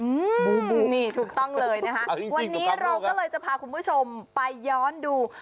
อืมนี่ถูกต้องเลยนะคะวันนี้เราก็เลยจะพาคุณผู้ชมไปย้อนดู